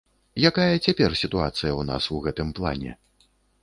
Якая цяпер сітуацыя ў нас у гэтым плане?